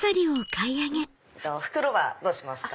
袋はどうしますか？